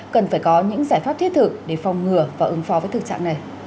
cần phải có những giải pháp thiết thực để phòng ngừa và ứng phó với thực trạng này